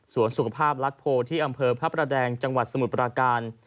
ส่วนสุขภาพรัฐโพที่อำเภอพระประแดงจังหวัดสมุทรปราการ